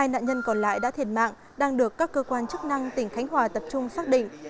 hai nạn nhân còn lại đã thiệt mạng đang được các cơ quan chức năng tỉnh khánh hòa tập trung xác định